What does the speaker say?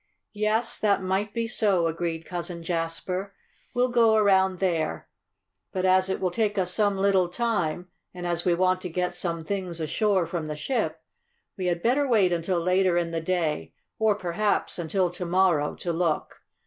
"Yes, that might be so," agreed Cousin Jasper. "We'll go around there. But as it will take us some little time, and as we want to get some things ashore from the ship, we had better wait until later in the day, or, perhaps, until to morrow, to look.